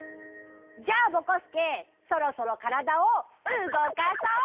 じゃあぼこすけそろそろからだをうごかそう！